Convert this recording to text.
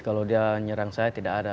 kalau dia nyerang saya tidak ada